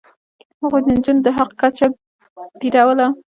هغوی د نجونو د حق کچه ټیټوله.